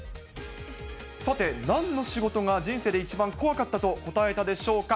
さて、なんの仕事が人生で一番怖かったと答えたでしょうか？